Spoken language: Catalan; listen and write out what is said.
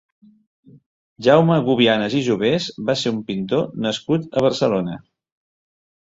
Jaume Gubianas i Jovés va ser un pintor nascut a Barcelona.